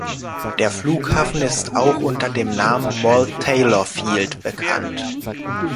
Der Flughafen ist auch unter dem Namen "Molt Taylor Field" bekannt.